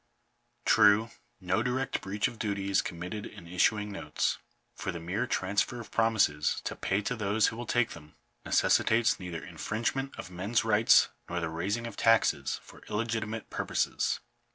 True, no direct breach of duty is committed in issuing notes ; for the mere transfer of promises to pay to those who will take them, necessitates neither infringement of men's rights nor the raising of taxes for illegitimate purposes.